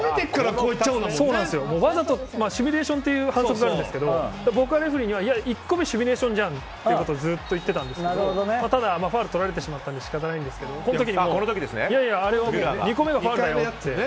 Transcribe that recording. わざと、シミュレーションという反則があるんですけどレフリーには１個目シミュレーションじゃんと言っていたんですがただファウルとられてしまったので仕方ないんですけどあれは２個目はファウルだよって。